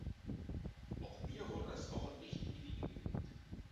Auch mir wurde das Kochen nicht in die Wiege gelegt.